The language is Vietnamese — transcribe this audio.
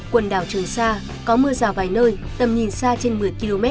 quần đảo trường sa có mưa rào vài nơi tầm nhìn xa trên một mươi km